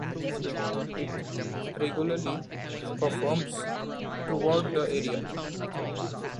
It regularly performs throughout the area.